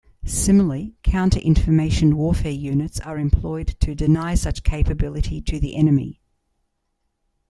Similarly, counter-information warfare units are employed to deny such capability to the enemy.